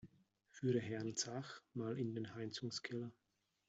Führe Herrn Zach mal in den Heizungskeller!